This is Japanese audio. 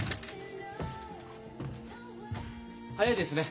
早いですね。